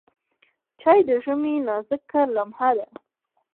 چای د ژمي نازکه لمحه ده.